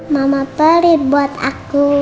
mama pelit buat aku